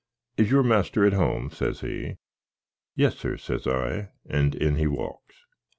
"Is your master at home?" says he. "Yes, sir," says I; and in he walks.